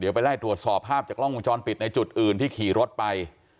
เดี๋ยวไปไล่ตรวจสอบภาพจากกล้องวงจรปิดในจุดอื่นที่ขี่รถไป